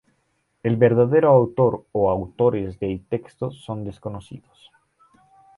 El verdadero autor o autores del texto son desconocidos.